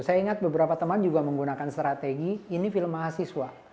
saya ingat beberapa teman juga menggunakan strategi ini film mahasiswa